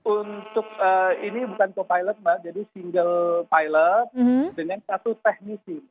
untuk co pilot jadi single pilot dengan satu teknisi